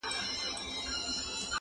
چي د بخت ستوری مو کله و ځلېږې،